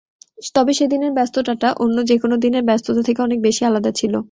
তবে সেদিনের ব্যস্ততাটা অন্য যেকোনো দিনের ব্যস্ততা থেকে অনেক বেশি আলাদা ছিল।